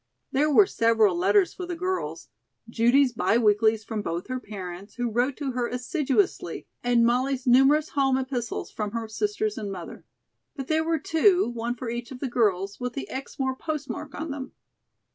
There were several letters for the girls; Judy's bi weeklies from both her parents, who wrote to her assiduously, and Molly's numerous home epistles from her sisters and mother. But there were two, one for each of the girls, with the Exmoor postmark on them.